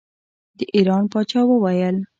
د ایران پاچا وویل.